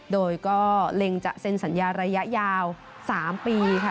โดยก็เล็งจะเซ็นสัญญาระยะยาว๓ปีค่ะ